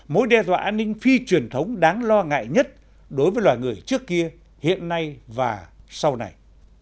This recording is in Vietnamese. mối đe dọa an ninh phi truyền thống đáng lo ngại nhất đối với loài người trước kia hiện nay và sau này